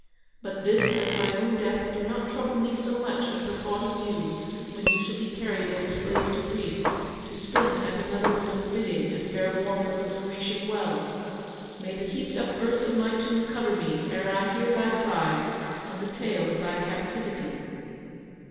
But this and my own death do not trouble me so much as the thought of you, when you shall be carried as a slave to Greece, to spin at another woman's bidding, and bear water from a Grecian well. May the heaped up earth of my tomb cover me ere I hear thy cries and the tale of thy captivity."